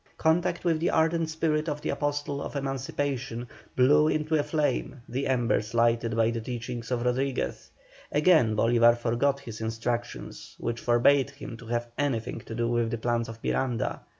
Contact with the ardent spirit of the Apostle of emancipation blew into a flame the embers lighted by the teachings of Rodriguez; again Bolívar forgot his instructions, which forbade him to have anything to do with the plans of Miranda.